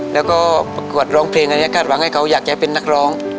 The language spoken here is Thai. แล้วก็ประกวดร้องเพลงอันนี้คาดหวังให้เขาอยากจะเป็นนักร้อง